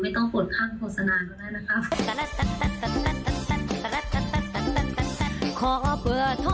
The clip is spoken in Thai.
ไม่ต้องกดข้างโฆษณาก็ได้นะครับ